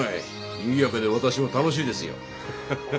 にぎやかで私も楽しいですよ。